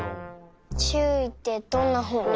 ちゅういってどんなふうに？